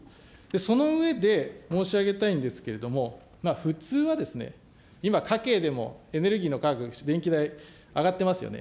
その上で、申し上げたいんですけれども、普通はですね、今、家計でもエネルギーの価格、電気代、上がってますよね。